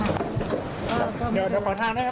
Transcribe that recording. เดี๋ยวขอทางด้วยครับขอทางด้วย